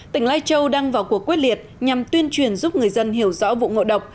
tỉnh lai châu đang vào cuộc quyết liệt nhằm tuyên truyền giúp người dân hiểu rõ vụ ngộ độc